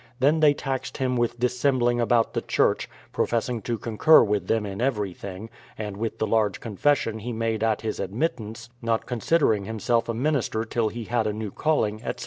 Then they taxed him with dissembling about the church, professing to concur with them in everything; and with the large confession he made at his admittance, not considering himself a minister till he had a new calling, etc.